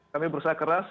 kami berusaha keras